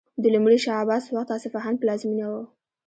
د لومړي شاه عباس په وخت اصفهان پلازمینه و.